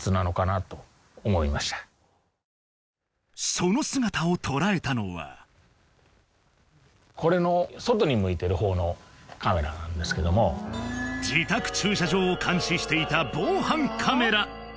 その姿をとらえたのはこれの外に向いてる方のカメラなんですけども自宅駐車場を監視していた防犯カメラ